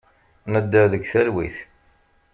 Nedder deg talwit.